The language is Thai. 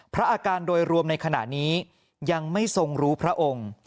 พระอาการโดยรวมในขณะนี้ยังไม่ทรงรู้พระองค์